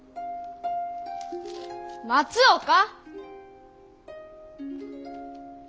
松岡！